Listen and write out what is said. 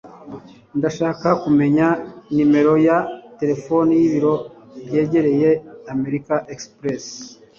ndashaka kumenya nimero ya terefone y'ibiro byegereye amerika express